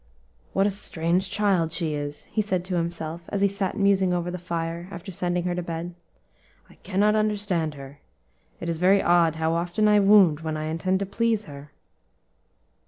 "What a strange child she is!" he said to himself, as he sat musing over the fire, after sending her to bed. "I cannot understand her; it is very odd how often I wound, when I intend to please her."